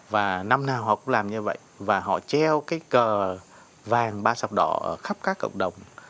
và năm nào họ cũng làm như vậy và họ treo cái cờ vàng ba sọc đỏ khắp các cộng đồng